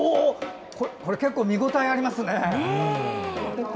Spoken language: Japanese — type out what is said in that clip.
これ、結構見応えありますね！